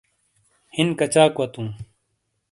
ہِن کَچاک وتوں؟